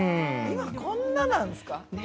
今、こんななんですね。